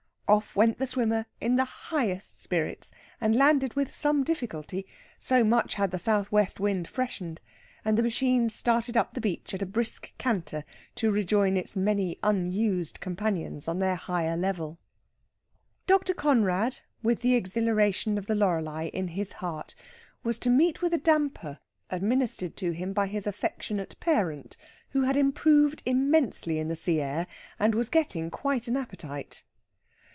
Off went the swimmer in the highest spirits, and landed with some difficulty, so much had the south west wind freshened; and the machine started up the beach at a brisk canter to rejoin its many unused companions on their higher level. Dr. Conrad, with the exhilaration of the Loreley in his heart, was to meet with a damper administered to him by his affectionate parent, who had improved immensely in the sea air, and was getting quite an appetite.